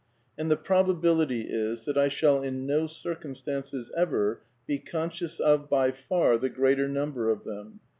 And the probability is that I shall in no circumstances ever be conscious of by far the greater number of them.